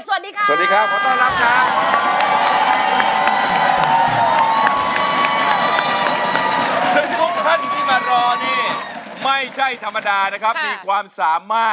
สวัสดีค่ะสวัสดีครับขอต้อนรับครับ